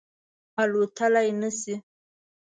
الوتلای نه شي